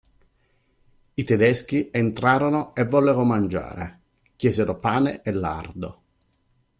I tedeschi entrarono e vollero mangiare; chiesero pane e lardo.